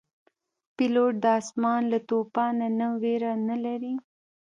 پیلوټ د آسمان له توپانه نه ویره نه لري.